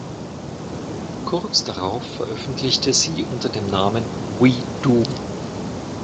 Kurz darauf veröffentlichte sie unter dem Namen "We Do!